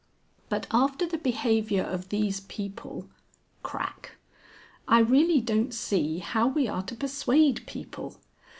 But after the behaviour of these people. (Crack). I really don't see how we are to persuade people.